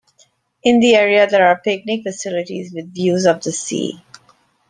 In the area, there are picnic facilities with views of the sea.